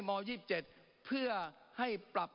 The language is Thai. ม๒๗เพื่อให้ปรับ